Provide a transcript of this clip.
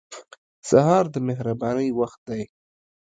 سهار د مهربانۍ وخت دی.